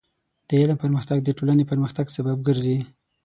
د علم پرمختګ د ټولنې پرمختګ سبب ګرځي.